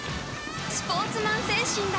スポーツマン精神だ！